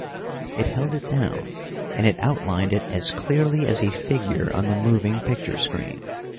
It held it down, and it outlined it as clearly as a figure on the moving picture screen.